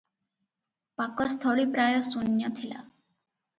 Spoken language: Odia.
ପାକସ୍ଥଳୀ ପ୍ରାୟ ଶୂନ୍ୟ ଥିଲା ।